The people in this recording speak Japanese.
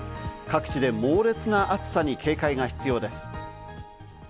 各地で猛烈な暑さに警戒が必要です。